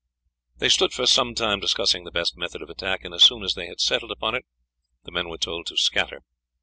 They stood for some time discussing the best method of attack, and as soon as they had settled upon it the men were told to scatter.